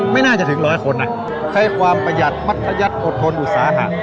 ไม่น่าจะถึงร้อยคนนะใช้ความประหยัดมัธยัติอดทนอุตสาหะ